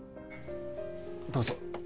どうぞ。